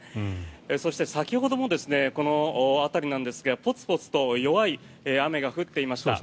そして、先ほどもこの辺りなんですがポツポツと弱い雨が降っていました。